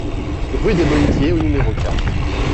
Rue des Bonnetiers au numéro quatre